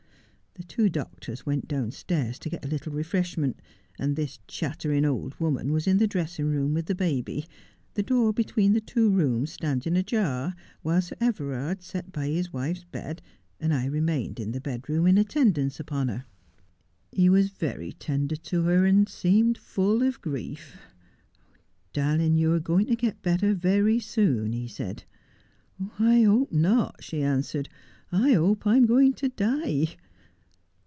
The two doctors went downstairs to get a little refreshment, and this chattering old woman was in the dressing room with the baby, the door between the two rooms standing ajar, while Sir Everard sat by his wife's bed, and I remained in the bed room in attendance upon her. ' He was very tender to her, and seemed full of grief. " Darling, you are going to get better very soon," he said. " I hope not," she answered. "I hope I am going to die."